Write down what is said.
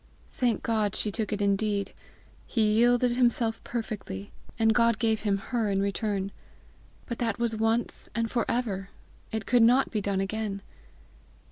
Thank God, she took it indeed! he yielded himself perfectly, and God gave him her in return! But that was once, and for ever! It could not be done again!